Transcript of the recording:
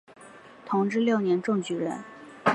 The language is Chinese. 同治六年中举人。